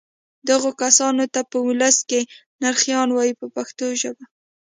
دغو کسانو ته په ولس کې نرخیان وایي په پښتو ژبه.